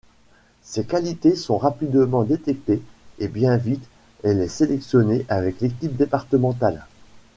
Ses qualités sont rapidement détectées et bien vite elle est sélectionnée avec l'équipe départementale.